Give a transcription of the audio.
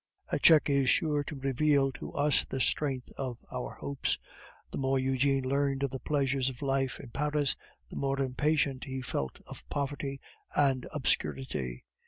A check is sure to reveal to us the strength of our hopes. The more Eugene learned of the pleasures of life in Paris, the more impatient he felt of poverty and obscurity.